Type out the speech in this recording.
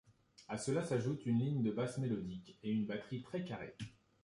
À cela s'ajoute une ligne de basse mélodique et une batterie très carrée.